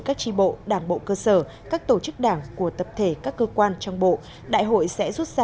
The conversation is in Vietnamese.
các tri bộ đảng bộ cơ sở các tổ chức đảng của tập thể các cơ quan trong bộ đại hội sẽ rút ra